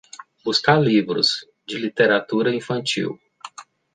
Buscar livros de literatura infantil